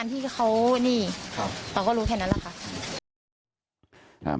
เพื่อนของไอซ์นะครับเกี่ยวด้วย